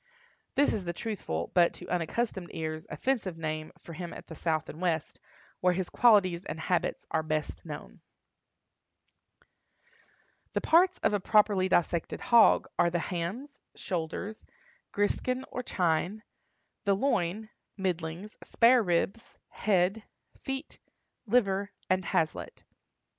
This is the truthful, but, to unaccustomed ears, offensive name for him at the South and West, where his qualities and habits are best known. The parts of a properly dissected hog are the hams, shoulders, griskin or chine, the loin, middlings, spare ribs, head, feet, liver, and haslet.